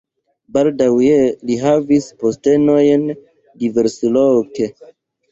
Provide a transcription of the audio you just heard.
Baldaŭe li havis postenojn diversloke.